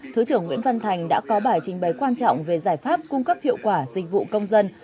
thứ trưởng nguyễn văn thành đã có bài trình bày quan trọng về giải pháp cung cấp hiệu quả dịch vụ công dân